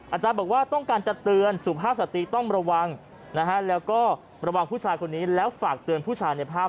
อาจารย์บอกว่าต้องการจะเตือนสุภาพสตรีต้องระวังนะฮะแล้วก็ระวังผู้ชายคนนี้แล้วฝากเตือนผู้ชายในภาพ